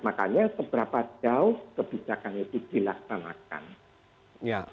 makanya seberapa jauh kebijakan itu dilaksanakan